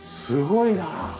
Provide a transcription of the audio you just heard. すごいなあ。